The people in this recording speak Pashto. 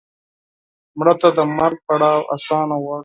مړه ته د مرګ پړاو آسان غواړو